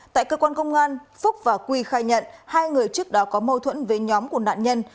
tại cơ quan công an phúc và quy khai nhận hai người trước đó có mâu thuẫn với nhóm của nạn nhân